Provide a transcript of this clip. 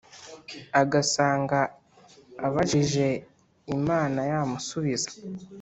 agasanga abajije imana yamusubiza